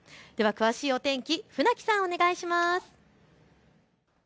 詳しいお天気、船木さん、お願いします。